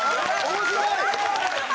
面白い！